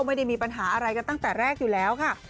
ไม่ได้มีปัญหาอะไรกันตั้งแต่แรกอยู่แล้วค่ะ